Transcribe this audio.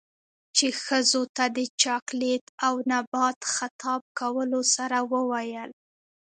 ،چـې ښـځـو تـه د چـاکـليـت او نـبات خـطاب کـولـو سـره وويل.